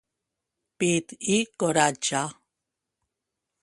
Pit i coratge!